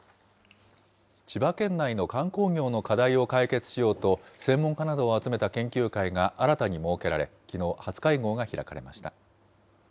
千葉県内の観光業の課題を解決しようと、専門家などを集めた研究会が新たに設けられ、きのう初会合が開かれました。